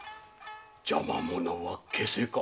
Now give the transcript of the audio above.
「邪魔者は消せ」か。